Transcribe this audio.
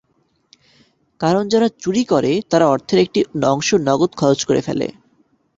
কারণ যারা চুরি করে তারা অর্থের একটি অংশ নগদ খরচ করে ফেলে।